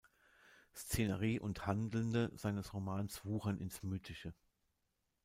Szenerie und Handelnde seines Romans "wuchern ins Mythische".